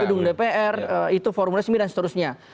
gedung dpr itu forum resmi dan seterusnya